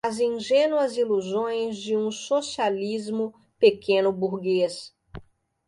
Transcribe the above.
as ingênuas ilusões de um socialismo pequeno-burguês